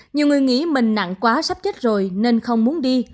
nhiều người nghĩ mình nặng quá sắp chết rồi nên không muốn đi